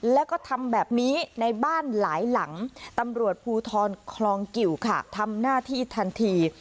แล้วก็ทำแบบนี้ในบ้านหลายหลังตำรวจภูทรคลองกิวค่ะทำหน้าที่ทันที